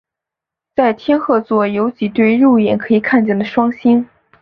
在天鹤座有几对肉眼可以看见的双星。